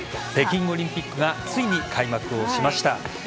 北京オリンピックがついに開幕をしました。